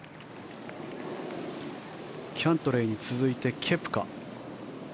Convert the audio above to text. キャントレーに続いてケプカ。